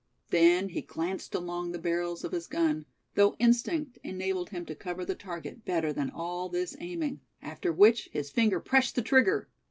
Then he glanced along the barrels of his gun, though instinct enabled him to cover the target better than all this aiming; after which his finger pressed the trigger.